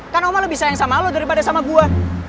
kan oma lebih sayang sama lo daripada sama gue